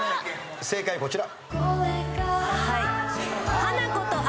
正解こちら。